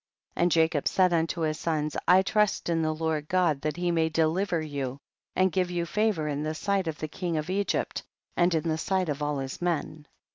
22. And Jacob said unto his sons, I trust in the Lord God that he may deliver you and give you favor in the sight of the king of Eg}^pt, and in the sight of all his men.